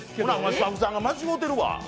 スタッフさんが間違うてるわ。